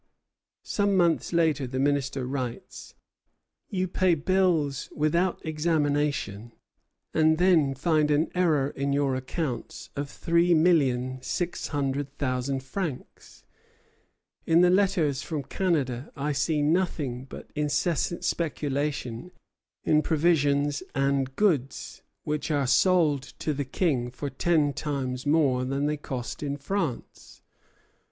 Some months later the Minister writes: "You pay bills without examination, and then find an error in your accounts of three million six hundred thousand francs. In the letters from Canada I see nothing but incessant speculation in provisions and goods, which are sold to the King for ten times more than they cost in France.